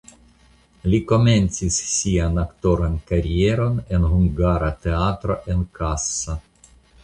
Li komencis sian aktoran karieron en Hungara Teatro en Kassa.